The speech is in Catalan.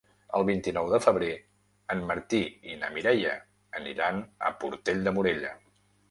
El vint-i-nou de febrer en Martí i na Mireia aniran a Portell de Morella.